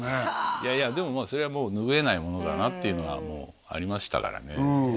いやいやでももうそれは拭えないものだなっていうのはありましたからね